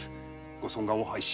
ご尊顔を拝し